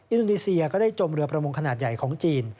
อินโดนีเซียก็ได้จมเรือประมงขนาดใหญ่ของจีน